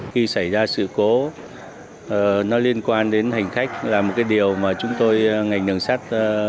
khi xảy ra sự cố nó liên quan đến hành khách là một cái điều mà chúng tôi ngành đường sắt